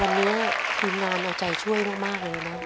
วันนี้ทีมงานเอาใจช่วยมากเลยนะครับ